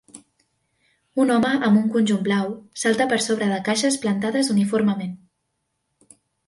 Un home amb un conjunt blau salta per sobre de caixes plantades uniformement.